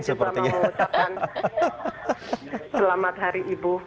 selamat hari ibu